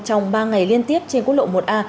trong ba ngày liên tiếp trên quốc lộ một a